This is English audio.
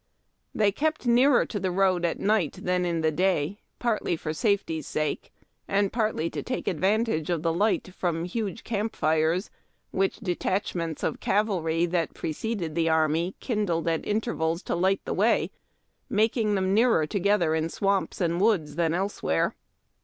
They kept nearer the road at night than in the day, partly for safety's sake, and partly to take advantage of the light from huge camp fires which detachments of cavalry, that preceded SCATTERING SHOTS. 323 the army, kindled at intervals to light the way, making them nearer together in woods and swamps than elsewhere.